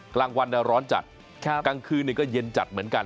กลางวันร้อนจัดกลางคืนก็เย็นจัดเหมือนกัน